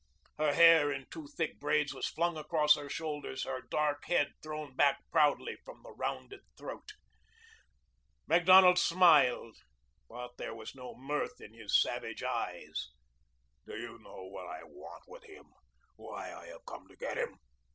Her hair in two thick braids was flung across her shoulders, her dark head thrown back proudly from the rounded throat. Macdonald smiled, but there was no mirth in his savage eyes. "Do you know what I want with him why I have come to get him?"